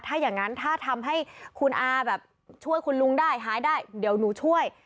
ถ้าอย่างนั้นถ้าทำให้คุณอาแบบช่วยคุณลุงได้หายได้เดี๋ยวหนูช่วย